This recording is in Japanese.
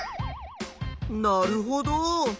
なるほど。